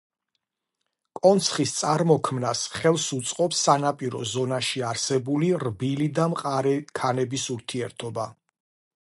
კონცხის წარმოქმნას ხელ უწყობს სანაპირო ზონაში არსებული რბილი და მყარი ქანების ერთობლიობა.